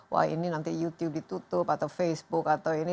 wah ini nanti youtube ditutup atau facebook atau ini